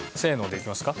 でいきますか？